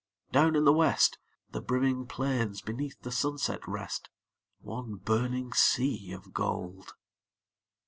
Down in the west The brimming plains beneath the sunset rest, One burning sea of gold.